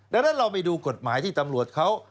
ดังนั้นเราไปดูกฎหมายที่ตำรวจเขา